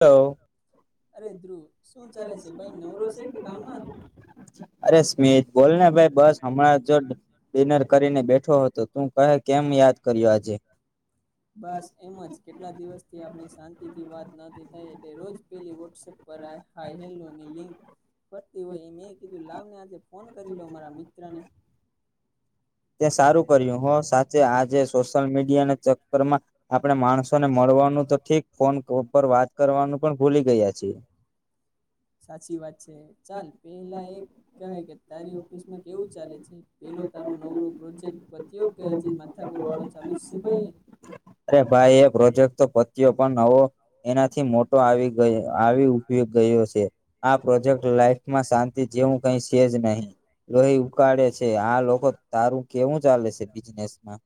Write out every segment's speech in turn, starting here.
Hello અરે ધ્રુવ શું ચાલે છે ભાઈ નવરો છે કે કામમાં અરે સ્મિત બોલને ભાઈ બસ હમણાં જ ડિનર કરીને બેઠો હતો તું કહે કેમ યાદ કર્યો આજે બસ એમજ કેટલા દિવસ થી આપણી શાંતિથી વાત ન નથી થય એટલે રોજ પેલી વોટસપ પર હાય હેલો ની લિંક ફરતી હોય એ મેં કીધું લાવને આજે ફોન કરી લો મારા મિત્ર ને. તે સારું કર્યું હો સાચે આજે સોશિયલ મીડિયાના ચક્કરમાં આપણે માણસોને મળ વાનું તો ઠીક ફોન પર વાત કરવાનું પણ ભૂલી ગયા છે. સાચી વાત છે ચાલ પેલા એ કહે કે તારી ઓફિસ માં કેવું ચાલે છે પેલો તારો નવરો પ્રોજેક્ટ પત્યો કે હજી માથાકોર વાળો ચાલુ જ છે ભાઈ અરે ભાઈ એ પ્રોજેક્ટ તો પત્યો પણ નવો એનાથી મોટો આવી ગયો આવી ઉભ ગયો છે આ પ્રોજેક્ટ લાઈફમાં શાંતિ જેવું કઈ છે જ નહીં લોહી ઉકાળે છે આ લોકો તારું કેવું ચાલે છે બિઝનેસમાં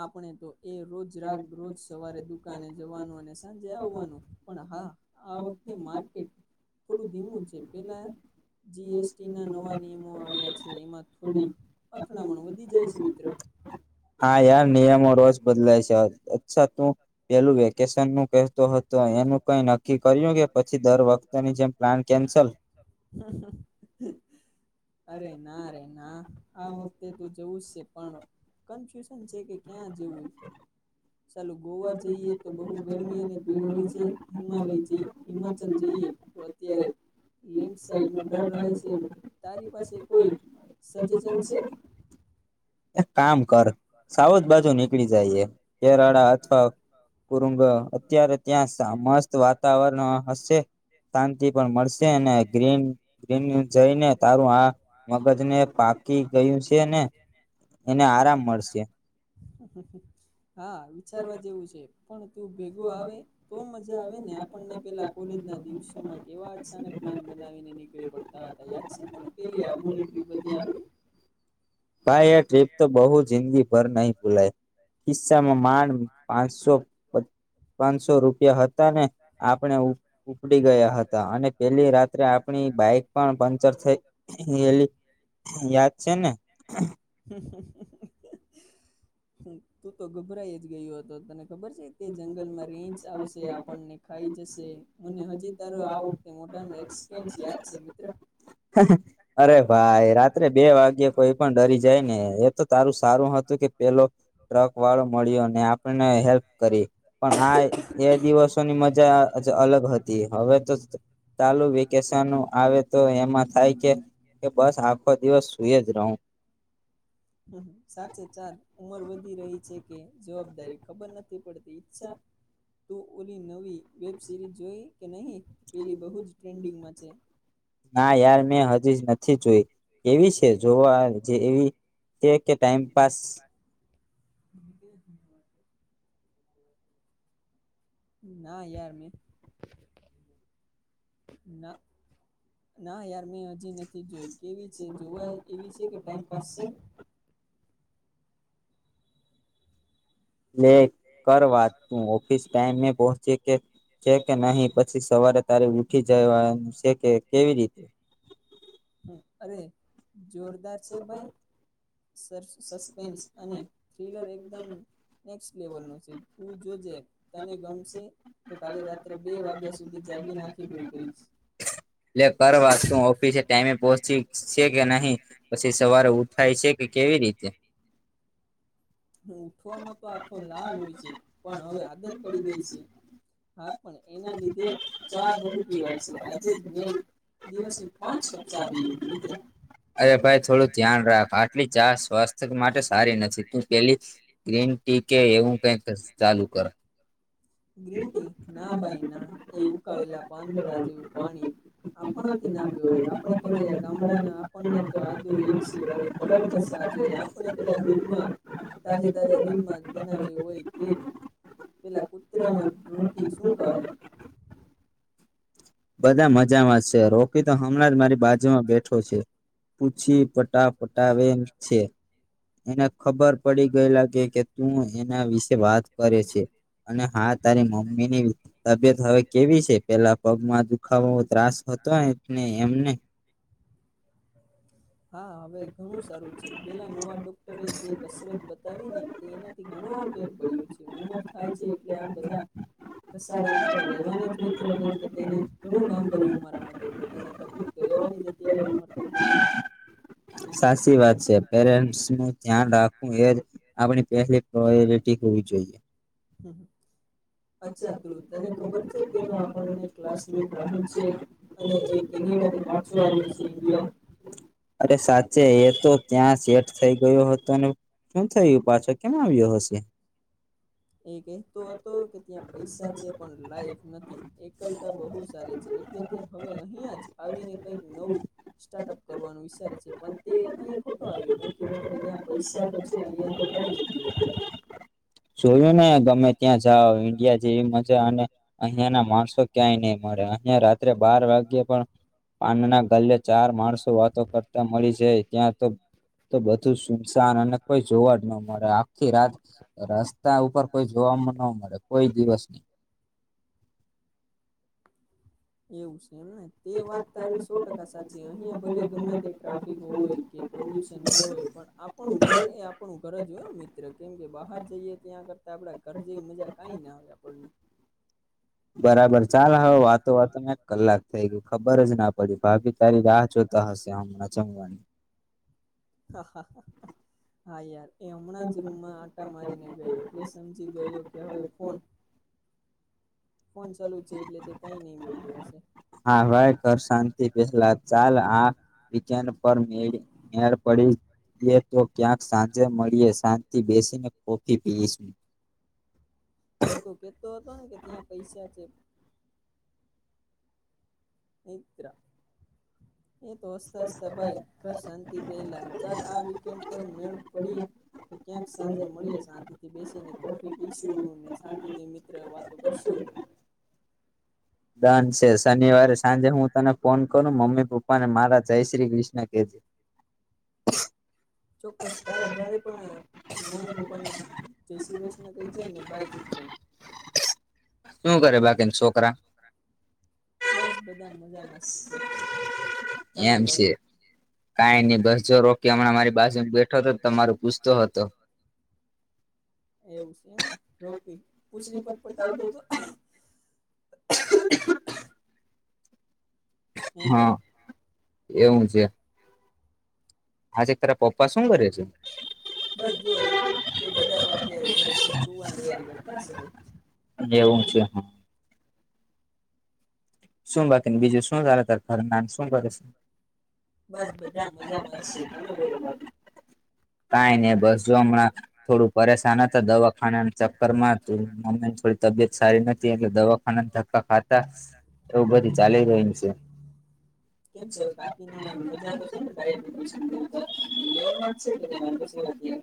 આપણે તો એ રોજ રાગ રોજ સવારે દુકાને જવાનું અને સાંજે આવવાનું પણ હા આ વખતે માર્કેટ થોડું ધીમું છે પેલા જીએસટી ના નવા નિયમો આવ્યા છે એમાં થોડી અથડામણ વધી જાય છે મિત્ર હા યાર નિયમો રોજ બદલાય છે અચ્છા પેલું વેકેશન નું કતો હતો એનું કઈ નક્કી કર્યું કે પછી દર વખતની જેમ પ્લાન કેન્સલ અરેનારે ના આ વખતે તું જવું જ છે પણ છે કન્ફ્યુઝન કે ક્યાં જવું ચાલું ગોવા જઈએ તો બહુ ગરમી અને ભીડ હોય છે હિમાલય હિમાચલ જઈએ તો અત્યારે લેન્ડ સાઇડ નો ડર રહે છે. તારી પાસે કોઈ સજેશન છે? એક કામ કર સાઉથ બાજુ નીકળી જાયએ. કેરાડા અથવા કુરુંંગ અત્યારે ત્યાં મસ્ત વાતાવરણ હશે શાંતિ પણ મળશે. ગ્રીન ગ્રીન જઈને તારું આ મગજ ને પાકી ગયું છે ને [inaudible] મળશે હા વિચારવા જેવું છે. પણ તું ભેગો આવે તો મજા આવે ને આપણને પેલા કોલેજ ના દિવસોમાં કેવા અચાનક પ્લાન બને બનાવીને નીકળી પડતા હતા યાદ છે તને પેલી આબુની ટ્રીપ હતી આપડી. ભાઈ એ ટ્રીપ તો બહુ જિંદગીભર નહી ભૂલાય. કિસ્સામાં માંડ પાંચસો પાંચસો રૂપિયા હતા ને આપણે ઉપડી ગયા હતા અને પેલી રાત્રે આપણી બાઈક પણ પંચર થઈ એલી યાદ છે ને. તું તો ગભરાઈ જ ગયો હતો તને ખબર છે તે જંગલમાં રીંછ આવશે આપણને ખાઈ જશે અને હજી તારો આ વખતે મોટ [unintelligible] યાદ છે મિત્ર. અરે ભાઈ રાત્રે બે વાગે કોઈ પણ ડરી જાય ને, એ તો તારું સારું હત તું કે પહેલો ટ્રક વાળો મળ્યો અને આપણને હેલ્પ કરી, પણ હાય એ દિવસોની મજા અચ અલગ હતી હવે તો ચાલુ વેકેશનો આવે તો એમાં થાય કે કે બસ આખો દિવસ સુઈ જ રહું. સાચે ચાર ઉંમર વધી રહી છે કે જવાબદારી ખબર નથી પડતી, ઈચ્છા તો ઓલી નવી વેબ સિરીઝ જોઈ કે નહી? પેલી બહુ જ ટ્રેન્ડિંગમાં છે. ના યાર મેં હજી જ નથી જોઈ. કેવી છે જોવા જે એવી છે કે ટાઈમ પાાસ? [inaudible] ના યાર મિત ના, ના યાર મે હજી નથ થી જોઈ કેવી છે જોવા એવી છે કે ટાઈમ પાાસ છે? લે કર વાત તું ઓફિસ ટાઈમે પહોંચી કે છે કે નહી પછી સવારે ત્યારે ઉઠી જાય વાનું સે કે કેવી રીતે? હા અરે જોરદાર છે ભાઈ. સસ સસ્પેન્સ અને થ્રીલર એકદમ નેકસ લેવલ નું છે. તું જોજે, તને ગમશે તો કાલે રાત્રે બે વાગ્યા સુધી જાગીને આખી પૂરી કરીશ. લે કર વાત તું હુ ઓફિસે ટાઈમે પહોચી સે કે નહી પછી સવારે ઉઠાય છે કે કેવી રીતે? [inaudible] ઉઠવામાં તો આખો લાલ હોય છે પણ હવે આદત પડી ગઈ છે [inaudible] [inaudible] હા પણ એના લીધે ચા બહુ પીવાય છે આજે જ મેં દિવસની પાંચ કપ ચા પી લીધી મિત્ર અરે ભાઈ થોડું ધ્યાન રાખ આટલી ચા સ્વાસ્થ્ય માટે સારી નથી. તું પેલી ગ્રીન ટી કે એવું કાઈક ચાલુ કર. ગ્રીન ટી ના ભાઈ ના એવું ઉકાળેલા પાંદડા જેવું પાણી [inaudible] આપણાથી ના પીવાય આપણે તો રહ્યા ગામડાના આપણને તો આદુ [inaudible] એલચી વાળી કડક જ છાશ જોઈએ આપણે પેલા [inaudible] બનાવે હોય તેજ પેલા કૂતરાને રોકી શું કહે? બધા મજામાં છે. રોકી તો હમણાં જ મારી બાજુમાં બેઠો છે. પૂછી પટાફટાવેમ છે. એને ખબર પડી ગયેલા કે તું હેના વિશે વાત કરે છે. અને હા તારી મમ્મી ની તબિયત હવે કેવી છે? પેલા પગમાં દુ ખાવો ત્રાસ હતો [unintelligible] એમને હા હવે ઘણું સારું છે. પેલા નવા ડોક્ટરે જે કસરત બતાવી ને તે એનાથી ઘણો ફેર પડ્યો છે. ઉમર થાય છે એટલે આ બધા ઘસારા તો રહેવાના જ મિત્ર કેમ કે તેને [inaudible] ઘણું કામ કર્યું મારા માટે, એટલે તેને તકલીફ તો રહેેવાની જ ત્યારે ઉમર થઈ ગઈ તી. [inaudible] સાસી વાત છે. પેરેન્ટસ નું ધ્યાન રાખવું એ જ આપણી પહેલી પ્રોયોરિટી હોય. હમ્મ. [inaudible] [inaudible] આપણને ક્લાસમેટ રાહુલ છે અને એ કેનેડા થી પાછો આવ્યો છે ઈન્ડિયા અરે સાચે એ તો ત્યાં શેઠ થઈ ગયો હતો. ને હું થયું પાછો કેમ આવ્યો હશે? એ કહેતો હતો કે ત્યાં પૈસા છે પણ લાઈફ નથી. એકલતા બહુ સારી છે એટલે તે હવે અહિયાં જ આવીને કંઈક નવું સ્ટાર્ટઅપ કરવાનું વિ વિચારે છે પણ તે અહી ખોટો આવ્યો કેમ કે મિત્ર ત્યાં પૈસા તો છે અહિયાં તો કઈ નથી મિત્ર સુું તમે ગમે ત્યાં જાઓ ઈન્ડિયા જેવી મજા અને અહિયા ના માણસો ક્યાંય નહી મળે અહિયાં રાત્રે બાર વાગ્યે પણ પાન ના ગલે ચાર માણસો વાતો કરતા મળી જાય ત્યાં તો તો બધું સુમસાન અને કોઈ જોવા જ ન મળે. આખી રાત રસ્તા ઉપર કોઈ જોવા જોવા ન મળે કોઈ દિવસ બી એવું છે એમ ને તે વાત તારી સો ટકા સાચી અહીંયા ભલે ગમે તે ટ્રાફિક હોય કે પોલ્યુશન હોય પણ આપણું ઘર એ આપણું ઘર જ હોય મિત્ર કેમ કે બહાર જઈએ ત્યાં કરતા આપડા ઘર જેવી મજા કઈ ના આવે આપણને [inaudible] બરાબર ચાલ હવે વાતો વાતો માં કલાક થઇ ગયો ખબર જ ના પડી ભાભી તારી રાહ જોતા હશે હમના જમવાની હા હા હા યાર એ હમણાં જ રૂમમાં આટા મારીને ગઈ એટલે સમજી ગયો કે હવે ફોન ફોન ચાલુ જ છે એટલે તે કઈ નય બોલયો હશે હા ભાઈ કર શાંતિ પહેલા ચાલ આ [unintelligible] પર મેડ મેડ પડી જાય તો ક્યાંક સાંજે મળીએ શાંનથી બેસીને કોફી પીઈ શું એ તો કેતો હતો ને કે ત્યાં પૈસા છે મિત્ર એ તો હસતા હસતા ભાઈ ઘર શાંતિ પહેલા ચાલ આ વિકેનડ પર મેળ પડીએ. તો ક્યાંક સાંજે મળીએ શાંતિ થી બેસીને કોફી પીશું ને શાંતિ થી મિત્ર વાતો કરશું. [inaudible] ડન છે શનિવારે સાંજે હું તને ફોન કરું મમ્મી પપ્પા ને મારા જય શ્રી કૃષ્ણ કેહ જે. [inaudible] ચોક્કસ તારા ઘરે પણ મમ્મી પપ્પા ને જય શ્રી કૃષ્ણ કહી જે ને ભાઈ ગૂડ નાઈટ. શું કરે બાકી ન છોકરા? બસ બધા મજામાંશે તમે કો? કાંઈ નહી બસ જો રોકી હમણાં મારી બાજુ બેઠો હતો તમારો પૂછતો હતો. [inaudible] એવું છે એમને રોકી પૂછલી પટ પટાવતો હતો. [inaudible] હે ભાઈ હા એવું છે. હા છે તારા પપ્પા શું કરે છે? બસ જો એ તે બધા પણ અત્યારે ઘરે છે સુવાની તૈયારી કરતા હશે ભાઈ. એવું છે હા. શું બાકીને બીજું શું ચાલે ત ખર ના શું કરે છે? બસ બધા મજા માં સે તમે બોલો બાકી. કાય નઈ બસ જો હમણાં થોડું પરેશાન હતો દવાખાના ના ચક્કર માં મમ્મી ને થોડી તબિયત સારી નથી એટલે દવાખાના ધક્કા ખાતા એવું બધું ચાલી રહ્યું છે. [inaudible] કેમ છે હવે કાકીને મજા તો છે ને ડાયાબિટીસ ને બધું લેવલમાં જ છે કે કઈ વાંધો [inaudible] છે અત્યારે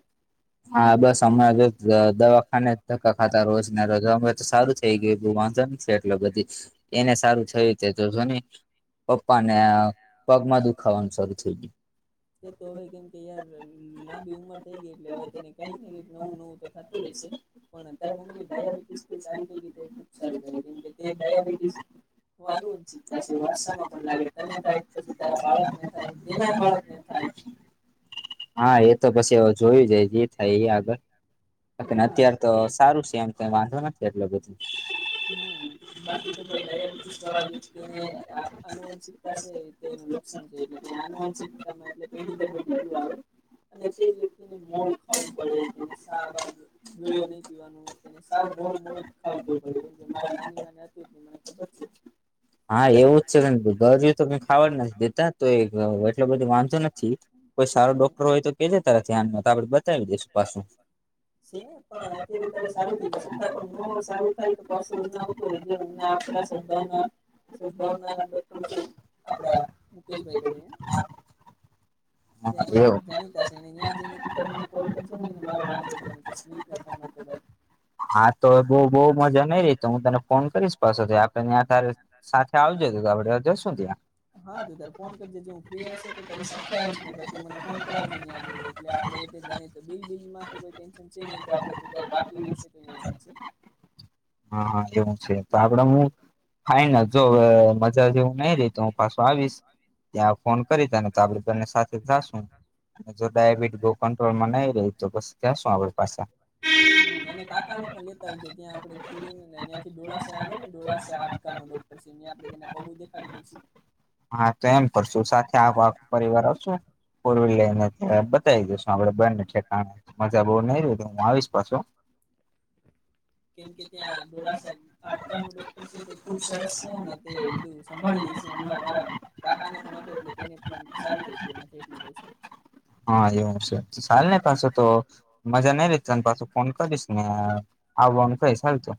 હા બસ હમણાં જસ્ટ દવાખાને ધક્કા ખાધા રોજ ના રોજ અમને તો સારું થઇ ગયું વા છે એટલે બધી એને સારું થયું છે તો જો ને પપ્પા ને અ પગમાં દુખાવાનું શરૂુ થઈ ગયું. એ તો હવે કેમ કે યાર લાંબી ઉંમર થય ગય એટલે હવે તેને કઈક ને કઈક નવું નવું તો થતું રહેશે પણ અત્યારે મમ્મી ડાયાબિટીસ તે સારી થઈ ગઈ. [inaudible] ખુબ સારું કહેવાય. કેમ કે તે ડાયાબિટીસ [unintelligible] આનુ વંશિતતા છે. વારસામાં પણ લાગે તને થાય, પછી તારા બાળકને થાય, તેના બાળકને થાય, [unintelligible] હા, એ તો પછી જોયું જાય જે થાય એ આગળ ને ના અત્યાર તો કે સારું છે. એમ કાઈ વાંધો નથી એટલો બધો. હમ, બાકી તો ભાઈ! ડાયાબિટીસ વાળા વ્યક્તિને આનુવંશિકતા છે તેનું લક્ષણ છે. એટલે તે આનુવંશિક એટલે પેઢી દર પેઢી લું આવે. અને તે વ્યક્તિને મોળું ખાવું પડે, તેને શા બા ગળિયો નહી પીવાનું તેને સાવ મોળુ મોળુ જ ખાવ પડે, કેમ કે મારા નાની મા ને હતું જ ને મને ખબર છે. હા, એવું જ છે ઘરું તો કઈ ખાવાનું નથી દેતા, તો એટલો બધો વાંધો નથી. કોઈ સારો ડોક્ટર હોય તો કે જે તારેા ધ્યાન? તો આપડે બતાવી દઈશું પાછું. છે ને, પણ અત્યારે તારે સારું થઈ ગયું. સત્તા પણ નો સારું થાય તો પાછો ઉના આવતો રે જે સ ઉના આપડા સદભાવના જ સદભાવના ડોક્ટર છે [inaudible] આપડા મુકેશભાઈ [unintelligible] કરીને [inaudible] તે આપડા જાણીતા છે ને, ત્યાં જઈને તું મને કોલ કરજે ને, મારું નામ દેજે ને સ્મિત નો ફોન હતો. દુબઈ હા, તો બહૂ બહુ મજા નઈ રહી તો, હું તને ફોન કરીશ પાછો આપડે ત્યાં તારે સાથે આવજે તુ. બતાડવા જઈશું ત્યાં હા તું તાર [inaudible] કર તું મને ફોન કરાવજે, ત્યાં જઈને એટલે આપણે એ જ જાણીતો બિલ બિલ માં તો કોઈ ટેન્શન છે નહીં તો, આપણે તું બાકી રશે તો અહીયાં ચાલજે હા એવું છે. તો આપડે હું? ફાઈનલ, જો હવે મજા જેવું નઈ રહી તો હું પાછું આવીશ. ત્યાં ફોન કરી તને તો આપડે બંને સાથે-' જાશું. જો ડાયાબિટી બહુ કંટ્રોલમાં નહી રે તો પાછા જાશું આપડે પાછા હમ અને કાકા ને પણ લેતા આવજે ત્યાં આપડે કુડી ત્યાંથી ડોળસા ને, ડોળસા હાંડકાનો ડોક્ટર પછી ન્યા જઈને આપે તેના પગું દેખાડી દઈશું. હા તો એમ કરશું સાથે [inaudible] પરિવાર આવશું. ફોર વીલ હમ લઈ ને બતાવી દશું આપડે બં ને હા મજા બહુ નઈ રે તો હું આવીશ પાછું. કેમ કે ત્યાં ડોળસા હાંટકા નો ડોક્ટર છે. તે ખુબ સરસ છે. અને તે બધું સંભાળી લે મારા કાકા ને પણ હતો એટલે તેને પણ સારું થઈ ગયું નથી એટલે કહુ છું. હા, એવું છે. ચાલ ને પાછો તો મજા નઈ લે તને પાછો ફોન કરીશ નેબ કોણ કઈ ચાલ તો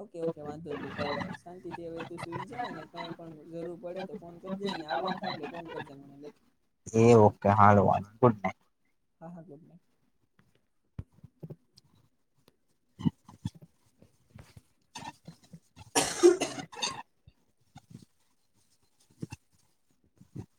ઓકે, ઓકે વાંધો નઈ તું તારે શાંતિ થી હવે તું સુઈ જાય ને, કંઈ પણ જરૂર પડે તો ફોન કરજે. ને આવવાન થાય એટલે ફોન કરજે મને, એટલે. એ ઓકે હાલ, ગુડ નાઈટ હા હા કરને [inaudible] [inaudible] [unintelligible]